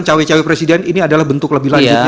cewek cewek presiden ini adalah bentuk lebih lanjutnya